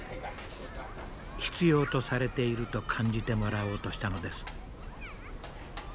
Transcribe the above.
必要とされていると感じてもらおうとしたのです。